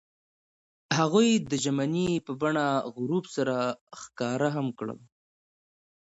هغوی د ژمنې په بڼه غروب سره ښکاره هم کړه.